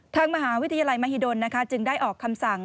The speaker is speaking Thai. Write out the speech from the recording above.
ทางมหาวิทยาลัยมหิดลจึงได้ออกคำสั่ง